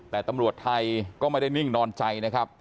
แต่ตำรวจไทยก็ไม่ได้นิ่งนอนใจนะครับ